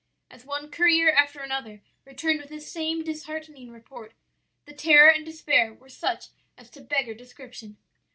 "As one courier after another returned with this same disheartening report, the terror and despair were such as to beggar description.